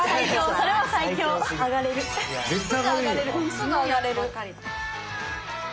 すぐあがれる。